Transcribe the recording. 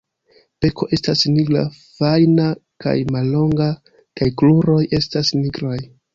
Beko estas nigra, fajna kaj mallonga kaj kruroj estas nigraj.